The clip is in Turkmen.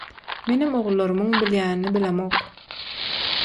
Menem ogullarymyň bilýänini bilemok.